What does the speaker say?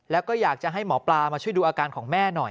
แล้วก็อยากจะให้หมอปลามาช่วยดูอาการของแม่หน่อย